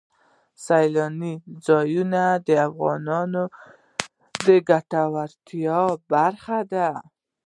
سیلانی ځایونه د افغانانو د ګټورتیا برخه ده.